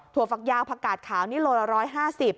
ถั่วฝักยาวผักกาดขาวนี่โลละ๑๕๐